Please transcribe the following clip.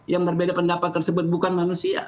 yang berbeda pendapat tersebut bukan manusia